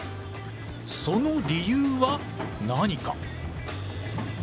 その理由は何か？